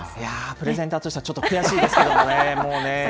プレゼンターとしてはちょっと悔しいですけどもね、もうね。